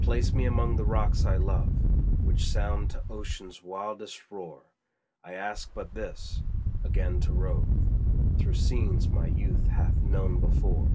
Place me among the rocks I love, Which sound to Ocean's wildest roar; I ask but this again to rove Through scenes my youth hath known before.